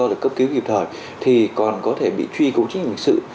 do cấp cứu dịp thời thì còn có thể bị truy cứu trách nhiệm hình sự